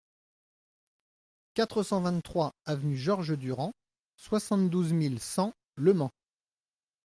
quatre cent vingt-trois avenue Georges Durand, soixante-douze mille cent Le Mans